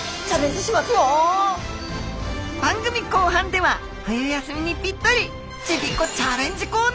番組後半では冬休みにぴったりちびっこチャレンジコーナーも！